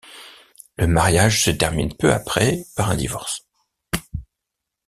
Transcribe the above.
Le mariage se termine peu après par un divorce.